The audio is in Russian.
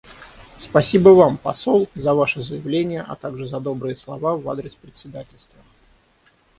Спасибо Вам, посол, за Ваше заявление, а также за добрые слова в адрес председательства.